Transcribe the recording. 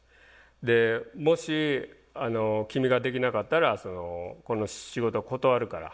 で「もし君ができなかったらこの仕事は断るから返事をくれ」と。